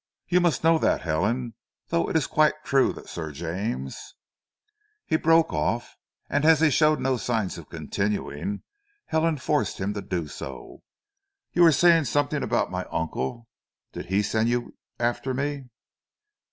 You must know that, Helen! Though it is quite true that Sir James " He broke off, and as he showed no signs of continuing Helen forced him to do so. "You were saying something about my uncle? Did he send you after me?"